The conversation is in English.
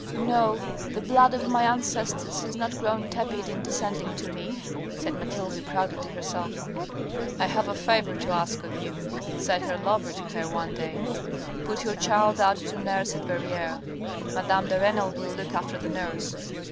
"No, the blood of my ancestors has not grown tepid in descending to me," said Mathilde proudly to herself. " I have a favour to ask of you," said her lover to her one day. " Put your child out to nurse at Verrieres. Madame de Renal will look after the nurse."